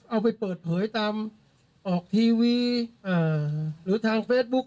เอาไปเปิดเผยตามออกทีวีหรือทางเฟซบุ๊ค